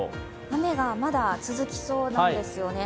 雨がまだ続きそうなんですよね。